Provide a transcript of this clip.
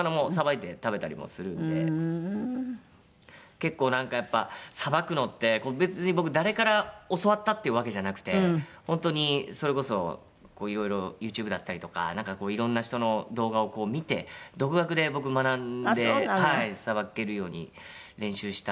結構なんかやっぱさばくのって別に僕誰から教わったっていうわけじゃなくて本当にそれこそいろいろユーチューブだったりとかいろんな人の動画を見て独学で僕学んでさばけるように練習したので。